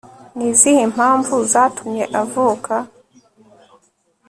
ni izihe mpamvu zatumye avuka